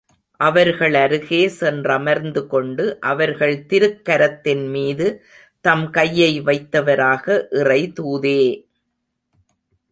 அவர்களருகே சென்றமர்ந்து கொண்டு, அவர்கள் திருக் கரத்தின் மீது தம் கையை வைத்தவராக இறை தூதே!